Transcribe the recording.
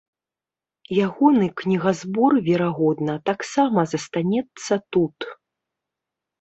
Ягоны кнігазбор, верагодна, таксама застанецца тут.